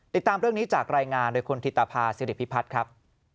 ติดตามเรื่องนี้จากรายงานโดยคุณธิตภาษิริพิพัฒน์ครับ